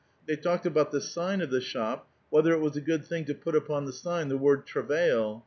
They talked about the sign of the shop, whether it was a good thing to put upon the sign the word travail.